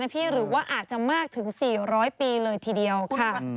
หรือว่าอาจจะมากถึง๔๐๐ปีเลยทีเดียวค่ะ